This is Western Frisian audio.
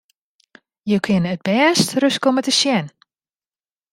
Jo kinne it bêste ris komme te sjen!